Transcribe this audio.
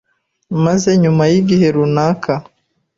maze nyuma y’igihe runaka,